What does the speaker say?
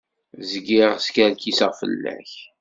Zgiɣ skerkiseɣ fell-ak.